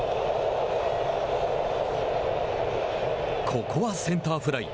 ここはセンターフライ。